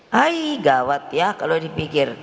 hai gawat ya kalau dipikir